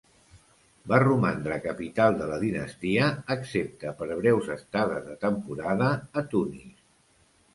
Va romandre capital de la dinastia excepte per breus estades de temporada a Tunis.